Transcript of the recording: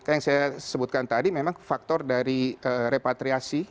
yang saya sebutkan tadi memang faktor dari repatriasi